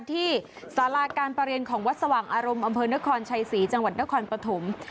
ที่สาราการประเรียนของวัดสว่างอารมณ์อำเภอนครชัยศรีจังหวัดนครปฐม